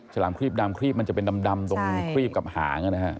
ฉลามครีบดำครีบมันจะเป็นดำตรงครีบกับหางนะฮะ